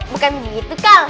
bukan gitu kal